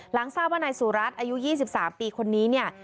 ทราบว่านายสุรัตน์อายุ๒๓ปีคนนี้เนี่ย